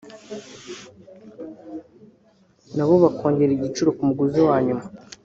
nabo bakongera igiciro ku muguzi wa nyuma